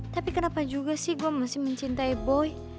tapi kenapa juga sih gua masih mencintai boy